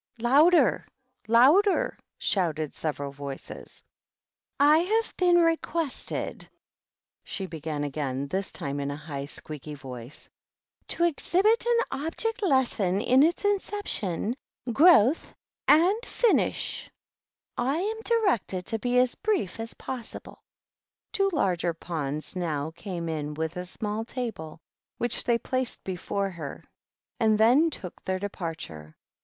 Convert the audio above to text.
"Louder! Louder!" shouted several voices. " I have been requested," she began again, this time in a high, squeaky voice, "to exhibit an object lesson in its inception, growth, and finish. I am directed to be as brief as possible." 248 THE OBEAT OCCASION. Two larger pawns now came in with a smal table, which they placed before her, and then tool their departure.